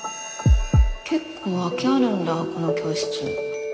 結構空きあるんだこの教室。